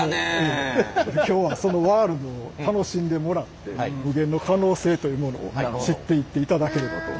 今日はそのワールドを楽しんでもらって無限の可能性というものを知っていっていただければと。